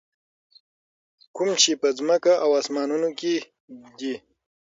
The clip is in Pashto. کوم چې په ځکمه او اسمانونو کي دي.